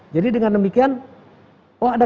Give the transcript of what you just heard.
jadi dengan demikian oh ada